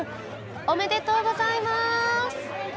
おめでとうございます！